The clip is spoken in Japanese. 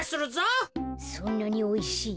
そんなにおいしい？